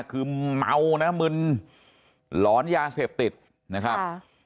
คือเมานะมึนหลอนยาเสพติดนะครับ